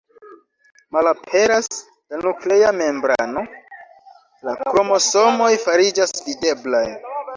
Malaperas la nuklea membrano, la kromosomoj fariĝas videblaj.